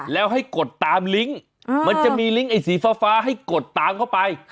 แล้วให้กดตามลิงค์มันจะมีลิงก์ไอ้สีฟ้าให้กดตามเข้าไป